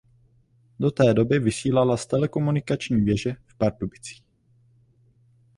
Do té doby vysílala z telekomunikační věže v Pardubicích.